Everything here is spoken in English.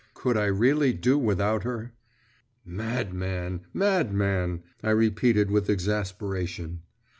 Could I really do without her? 'Madman! madman!' I repeated with exasperation.